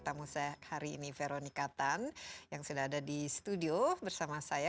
tamu saya hari ini veronika tan yang sudah ada di studio bersama saya